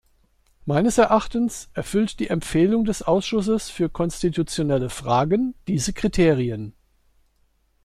Meines Erachtens erfüllt die Empfehlung des Ausschusses für konstitutionelle Fragen diese Kriterien.